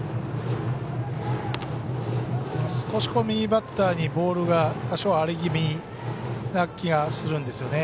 少し右バッターにボールが多少荒れ気味な感じがするんですよね。